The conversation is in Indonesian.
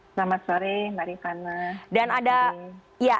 selamat sore mbak rifana